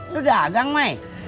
lu dagang mai